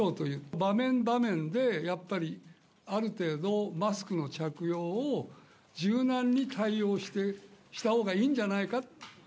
場面場面で、やっぱりある程度、マスクの着用を柔軟に対応したほうがいいんじゃないか。